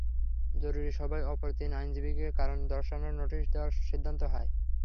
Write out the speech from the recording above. জরুরি সভায় অপর তিন আইনজীবীকে কারণ দর্শানোর নোটিশ দেওয়ার সিদ্ধান্তও হয়।